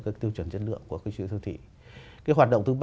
cái tiêu chuẩn chất lượng của các chuỗi siêu thị